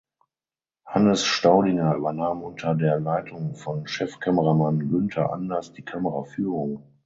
Hannes Staudinger übernahm unter der Leitung von Chefkameramann Günther Anders die Kameraführung.